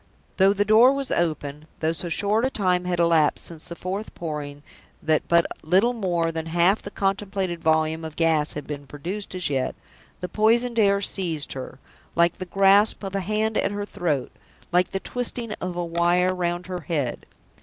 Though the door was open though so short a time had elapsed since the fourth Pouring that but little more than half the contemplated volume of gas had been produced as yet the poisoned air seized her, like the grasp of a hand at her throat, like the twisting of a wire round her head.